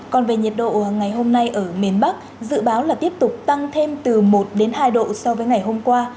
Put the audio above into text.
còn về nhiệt độ ngày hôm nay ở miền bắc dự báo là tiếp tục tăng thêm từ một đến hai độ so với ngày hôm qua